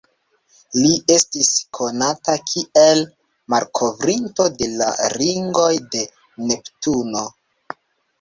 Li esti konata kiel malkovrinto de la ringoj de Neptuno.